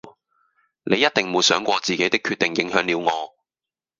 你一定沒想過自己的決定影響了我